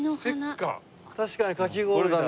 確かにかき氷だ。